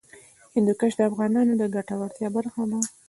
هندوکش د افغانانو د ګټورتیا برخه ده.